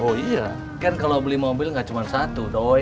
oh iya kan kalau beli mobil nggak cuma satu dong